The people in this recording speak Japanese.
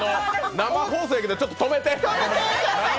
生放送やけど、ちょっと止めて！